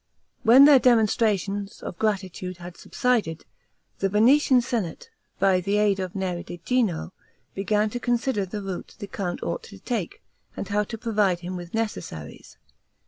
When their demonstrations of gratitude had subsided, the Venetian senate, by the aid of Neri di Gino, began to consider the route the count ought to take, and how to provide him with necessaries.